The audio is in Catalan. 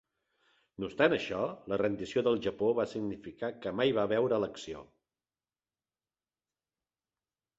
No obstant això, la rendició del Japó va significar que mai va veure l'acció.